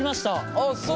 あっそう。